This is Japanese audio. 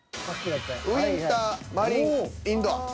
「ウィンター」「マリン」「インドア」。